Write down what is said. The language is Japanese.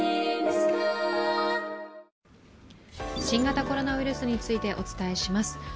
新型コロナウイルスについてお伝えします。